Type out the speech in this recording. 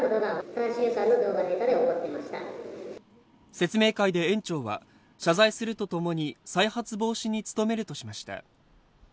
説明会で園長は謝罪するとともに再発防止に努めるとしました。